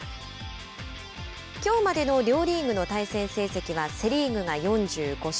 きょうまでの両リーグの対戦成績は、セ・リーグ４５勝。